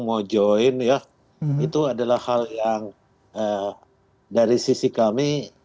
mau join ya itu adalah hal yang dari sisi kami